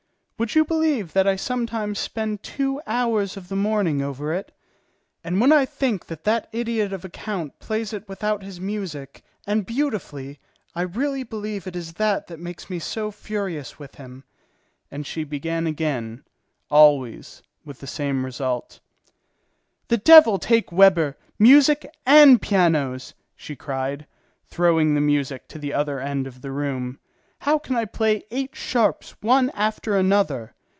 Would you believe that I sometimes spend two hours of the morning over it? And when I think that that idiot of a count plays it without his music, and beautifully, I really believe it is that that makes me so furious with him." And she began again, always with the same result. "The devil take Weber, music, and pianos!" she cried, throwing the music to the other end of the room. "How can I play eight sharps one after another?"